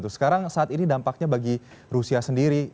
sekarang saat ini dampaknya bagi rusia sendiri